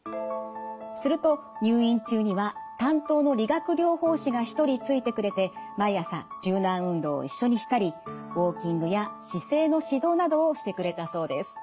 すると入院中には担当の理学療法士が１人ついてくれて毎朝柔軟運動を一緒にしたりウォーキングや姿勢の指導などをしてくれたそうです。